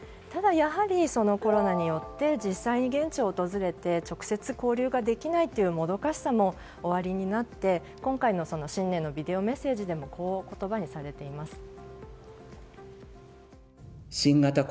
ただ、やはりコロナによって実際に現地を訪れて直接交流ができないというもどかしさもおありになって今回の新年のビデオメッセージでもこう言葉にされています。